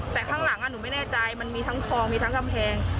แต่ข้างหลังหนูไม่แน่ใจมันมีทั้งคลองมีทั้งกำแพง